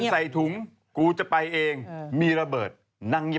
ใส่ถุงกูจะไปเองมีระเบิดนั่งเงียบ